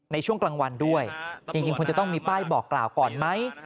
ไม่ป้ายหยุดตรวจหรือว่าอะไรนะครับ